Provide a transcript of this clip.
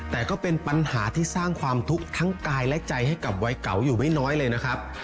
แต่ก็เป็นปัญหาที่สร้างความทุกข์ทั้งกายและใจให้กับวัยเก่าอยู่ไม่น้อยเลยนะครับ